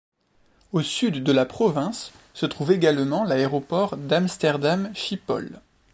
Au sud de la province se trouve également l'aéroport d'Amsterdam-Schiphol.